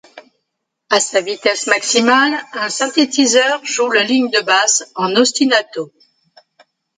À sa vitesse maximale, un synthétiseur joue la ligne de basse en ostinato.